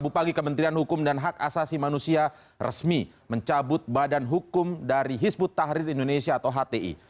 bupagi kementerian hukum dan hak asasi manusia resmi mencabut badan hukum dari hizbut tahrir indonesia atau hti